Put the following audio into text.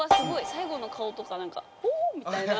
最後の顔とかなんか「おっ！」みたいな。